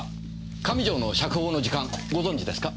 上条の釈放の時間ご存じですか？